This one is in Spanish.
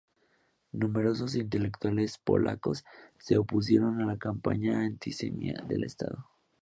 Numerosos intelectuales polacos se opusieron a la campaña antisemita del Estado.